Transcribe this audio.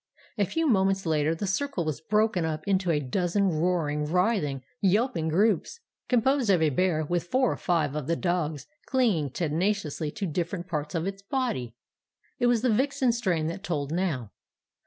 A few moments later the circle was broken up into a dozen roaring, writhing, yelping groups, composed of a bear with four or five of the dogs clinging tenaciously to different parts of its body. "It was the Vixen strain that told now.